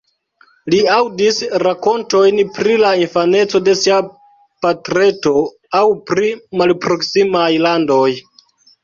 Li aŭdis rakontojn pri la infaneco de sia patreto aŭ pri malproksimaj landoj.